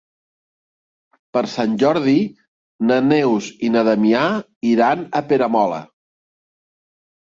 Per Sant Jordi na Neus i na Damià iran a Peramola.